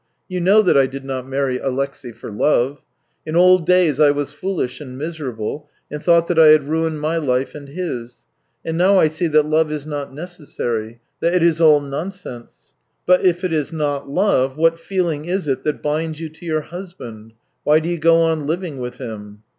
You know that I did not marry Alexey for love. In old days I was foolish and miserable, and thought that I had ruined my life and his, and now I see that love is not necessar\'^ — that it is all nonsense." " But if it is not love, what feeling is it that binds you to your husband ? Why do you go on living with him